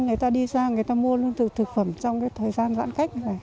người ta đi ra người ta mua lương thực thực phẩm trong thời gian giãn cách